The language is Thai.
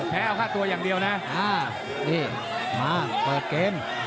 แพ้เอา๕ตัวอย่างเดียวนะมาเปิดเกม